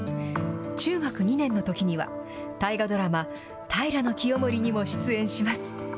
中学２年のときには、大河ドラマ平清盛にも出演します。